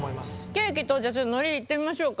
ケーキとじゃあちょっと海苔いってみましょうか。